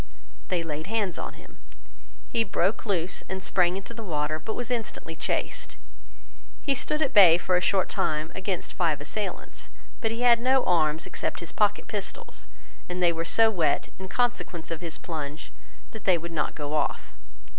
They laid hands on him. He broke loose and sprang into the water, but was instantly chased. He stood at bay for a short time against five assailants. But he had no arms except his pocket pistols, and they were so wet, in consequence of his plunge, that they would not go off.